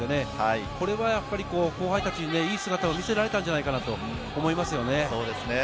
これは後輩たちに、いい姿を見せられたんじゃないかなと思いますよね。